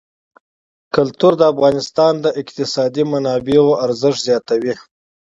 کلتور د افغانستان د اقتصادي منابعو ارزښت زیاتوي.